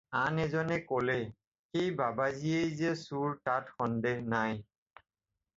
আন এজনে ক'লে- "সেই বাবাজীয়েই যে চোৰ তাত সন্দেহ নাই।"